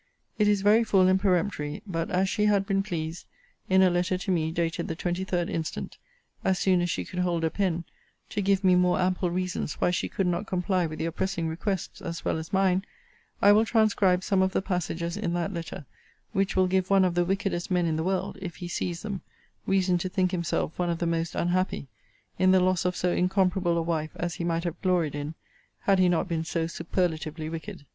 It is very full and peremptory; but as she had been pleased, in a letter to me, dated the 23d instant, (as soon as she could hold a pen,) to give me more ample reasons why she could not comply with your pressing requests, as well as mine, I will transcribe some of the passages in that letter, which will give one of the wickedest men in the world, (if he sees them,) reason to think himself one of the most unhappy, in the loss of so incomparable a wife as he might have gloried in, had he not been so superlatively wicked.